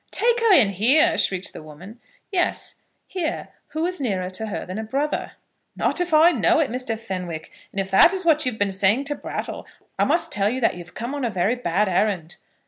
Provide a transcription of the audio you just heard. "Take her in here?" shrieked the woman. "Yes; here. Who is nearer to her than a brother?" "Not if I know it, Mr. Fenwick; and if that is what you have been saying to Brattle, I must tell you that you've come on a very bad errand.